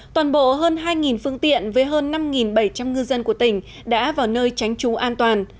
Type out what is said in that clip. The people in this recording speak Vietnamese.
toàn bộ hơn hai phương tiện với hơn năm bảy trăm linh ngư dân của tỉnh đã vào nơi tránh trú an toàn